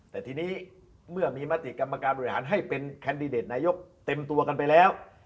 แต่ทีนี้เมื่อมีมติกรรมการบริหารให้เป็นแคนดิเดตนายกเต็มตัวกันไปแล้ว